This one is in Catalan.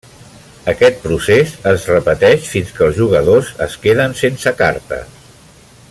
Aquest procés es repeteix fins que els jugadors es queden sense cartes.